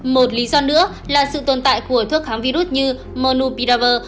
một lý do nữa là sự tồn tại của thuốc kháng virus như monopiravir